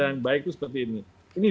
yang baik itu seperti ini ini